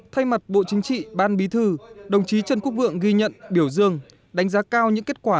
thay mặt bộ chính trị ban bí thư đồng chí trần quốc vượng ghi nhận biểu dương đánh giá cao những kết quả